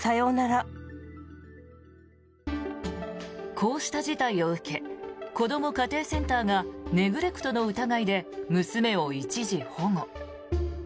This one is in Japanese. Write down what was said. こうした事態を受けこども家庭センターがネグレクトの疑いで娘を一時保護。